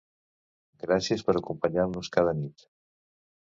Gràcies per acompanyar-nos cada nit!